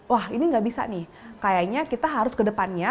wah ini nggak bisa nih kayaknya kita harus ke depannya